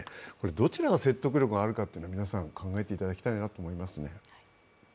どちらが説得力があるのか皆さん考えていただきたいと思いますね。